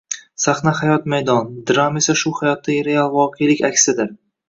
Sahna hayot maydoni, drama esa shu hayotdagi real voqelik aksidir